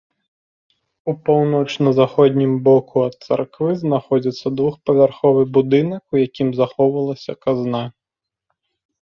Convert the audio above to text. У паўночна-заходнім боку ад царквы знаходзіцца двухпавярховы будынак, у якім захоўвалася казна.